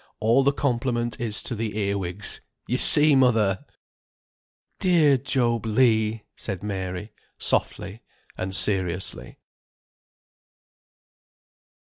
All the compliment is to the earwigs, you see, mother!" "Dear Job Legh!" said Mary, softly and seriously.